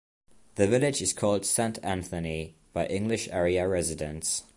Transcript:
The village is called Saint Anthony by English area residents.